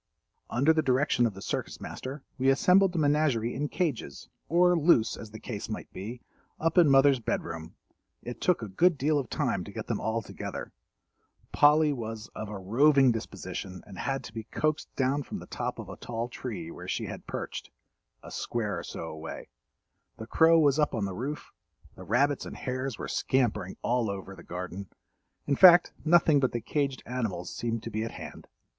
Under the direction of the Circus Master we assembled the menagerie in cages, or loose as the case might be, up in Mother's bed room. It took a good deal of time to get them all together. Polly was of a roving disposition and had to be coaxed down from the top of a tall tree, where she had perched, a square or so away; the crow was up on the roof; the rabbits and hares were scampering all over the garden—in fact, nothing but the caged animals seemed to be at hand.